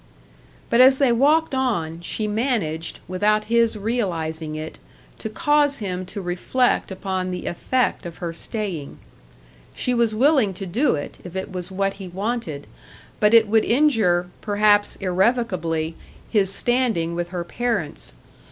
But as they walked on, she managed, without his realising it, to cause him to reflect upon the effect of her staying. She was willing to do it, if it was what he wanted; but it would injure, perhaps irrevocably, his standing with her parents.